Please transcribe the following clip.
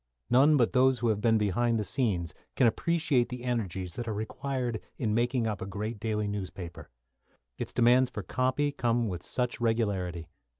None but those who have been behind the scenes can appreciate the energies that are required in making up a great daily newspaper. Its demands for "copy" come with such regularity.